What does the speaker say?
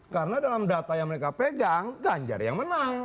karena dalam data yang mereka pegang ganjar yang menang